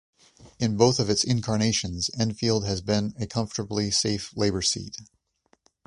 In both of its incarnations, Enfield has been a comfortably safe Labor seat.